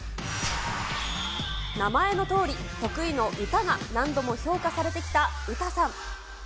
名前のとおり、得意の歌が何度も評価されてきたウタさん。